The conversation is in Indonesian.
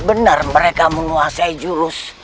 benar mereka menuasai jurus